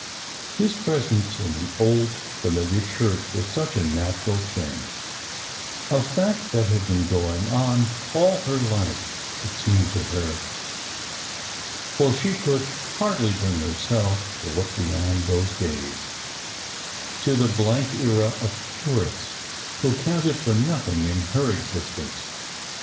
His pre sence in the old famihar church was such a natural thing — a fact that had been going on all her life, it seemed to her ; for she could hardly bring herself to look behind those days, to the blank era of ciirates who counted for nothing in her existence.